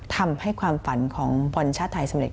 ทำให้ความฝันของบอลชาติไทยสำเร็